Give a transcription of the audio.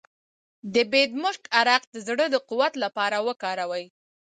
د بیدمشک عرق د زړه د قوت لپاره وکاروئ